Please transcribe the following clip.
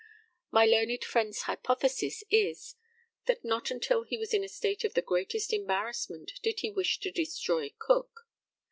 My learned friend's hypothesis is, that not until he was in a state of the greatest embarrassment did he wish to destroy Cook.